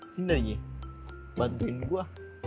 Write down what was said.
sini aja bantuin gue